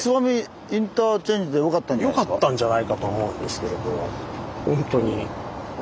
よかったんじゃないかと思うんですけれどほんとに。